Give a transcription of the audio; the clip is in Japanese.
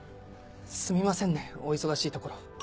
すみませんねお忙しいところ。